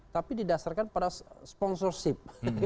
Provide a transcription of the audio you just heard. tapi didasarkan pada sponsorship